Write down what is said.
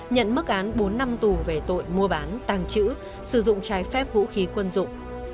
nhận mức án bốn năm tù về tội mua bán tàng trữ sử dụng trái phép vũ khí quân dụng